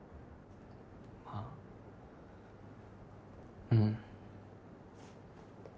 まあうん。